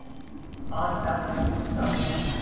Aniden bir düdük çaldı.